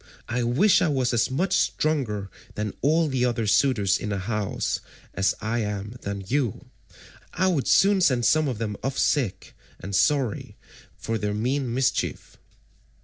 I wish I was as much stronger than all the other suitors in the house as I am than you, I would soon send some of them off sick and sorry, for they mean mischief."